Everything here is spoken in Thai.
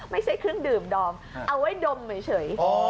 ไม่ใช่เครื่องดื่มดอมเอาไว้ดมเฉย